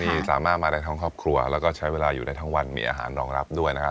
ที่สามารถมาได้ทั้งครอบครัวแล้วก็ใช้เวลาอยู่ได้ทั้งวันมีอาหารรองรับด้วยนะครับ